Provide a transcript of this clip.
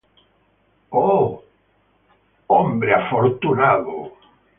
O Lucky Man!